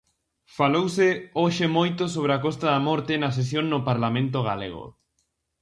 Falouse hoxe moito sobre a Costa da Morte na sesión no Parlamento galego.